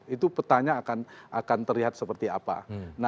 itu petanya akan terlihat seperti apa